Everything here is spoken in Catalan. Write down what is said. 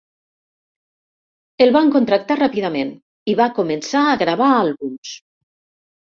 El van contractar ràpidament i va començar a gravar àlbums.